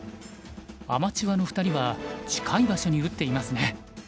アマチュアの２人は近い場所に打っていますね。